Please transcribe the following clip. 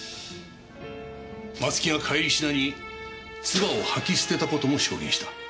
松木が帰りしなに唾を吐き捨てたことも証言した。